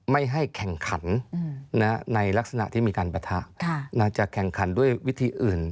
ไม่ให้แข่งขันในลักษณะที่มีการปะทะจะแข่งขันด้วยวิธีอื่น